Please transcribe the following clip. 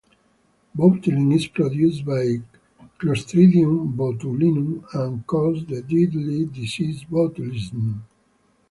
Botulin is produced by "Clostridium botulinum" and causes the deadly disease botulism.